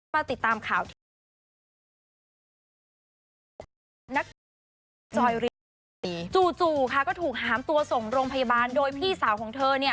มาติดตามข่าวนักจ่อยจูจูค่ะก็ถูกหามตัวส่งโรงพยาบาลโดยพี่สาวของเธอเนี้ย